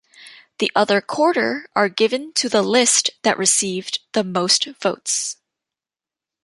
The other quarter are given to the list that received the most votes.